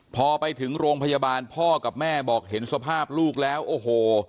พอไปถึงโรงพยาบาลพ่อกับแม่บอกเห็นสภาพลูกแล้วโอ้โห